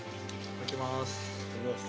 いただきます。